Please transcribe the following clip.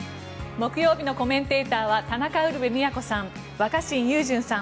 木曜日のコメンテーターは田中ウルヴェ京さん若新雄純さん。